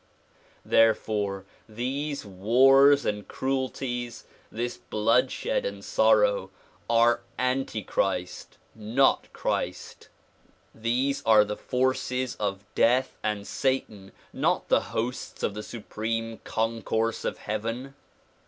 There fore these wars and cruelties, this bloodshed and sorrow are anti Christ not Christ. These are the forces of death and satan, not the hosts of the Supreme Concourse of heaven.